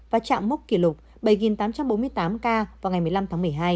và chạm mốc kỷ lục bảy tám trăm bốn mươi tám ca vào ngày một mươi năm tháng một mươi hai